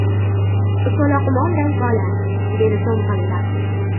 So‘loqmonday bola.dedi to‘ng‘illab.